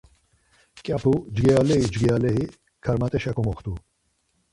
Mǩyapu cgiraleri cgiyaleri karmat̆eşa komoxtu.